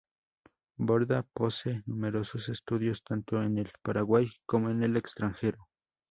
Borda posee numerosos estudios tanto en el Paraguay como en el extranjero.